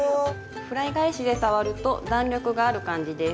フライ返しで触ると弾力がある感じです。